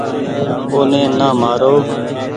اوني نآ مآرو ۔